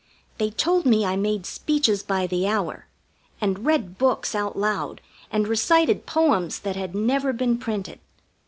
They told me I made speeches by the hour, and read books out loud, and recited poems that had never been printed.